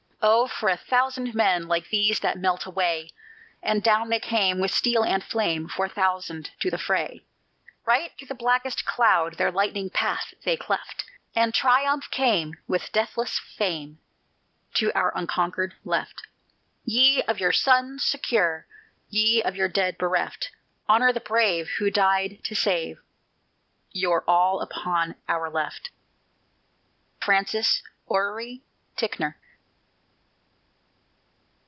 "Oh, for a thousand men Like these that melt away!" And down they came, With steel and flame, Four thousand to the fray! Right through the blackest cloud Their lightning path they cleft; And triumph came With deathless fame To our unconquered "Left." Ye of your sons secure, Ye of your dead bereft Honor the brave Who died to save Your all upon "Our Left." FRANCIS ORRERY TICKNOR.